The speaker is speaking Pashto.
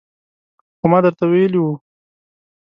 خو ما درته ویلي وو